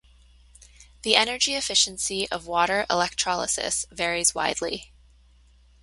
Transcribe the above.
The energy efficiency of water electrolysis varies widely.